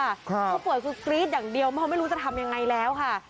ผู้ป่วยคือกรี๊ดอย่างเดียวเพราะไม่รู้จะทำยังไงแล้วค่ะ